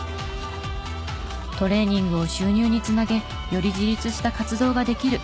トレーニングを収入に繋げより自立した活動ができる。